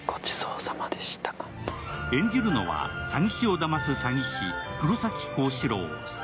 演じるのは詐欺師をだます詐欺師・黒崎高志郎。